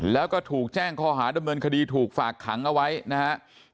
แล้วก็ถูกแจ้งข้อหาดำเนินคดีถูกฝากขังเอาไว้นะครับ